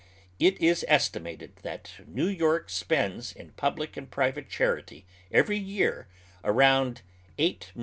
It is estimated that New York spends in public and private chai'ity evei'y year a round $8,000,000.